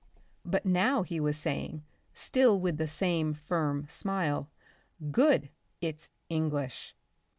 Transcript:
But now he was saying, still with the same firm smile, "Good. It's English."